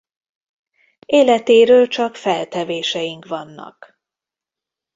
Életéről csak feltevéseink vannak.